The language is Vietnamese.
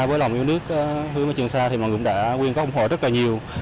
với lòng yêu nước hướng với trường sa thì mọi người cũng đã quyên góp ủng hộ rất là nhiều